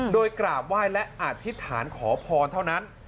โดยกราบไหว้และอธิษฐานขอพรเท่านั้น